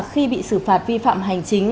khi bị xử phạt vi phạm hành chính